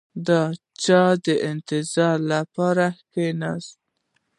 • د چا د انتظار لپاره کښېنه.